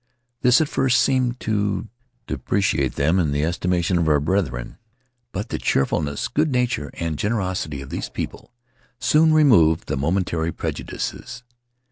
This at first seemed to depreciate them in the estima tion of our brethren; but the cheerfulness, good nature, and generosity of these kind people soon removed the momentary prejudices.